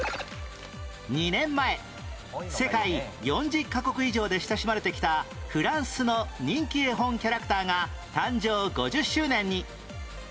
２年前世界４０カ国以上で親しまれてきたフランスの人気絵本キャラクターが誕生５０周年に